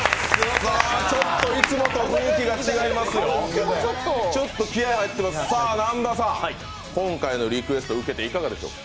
ちょっといつもと雰囲気が違いますよ、ちょっと気合い入っています、南波さん、今回のリクエストを受けていかがでしょうか。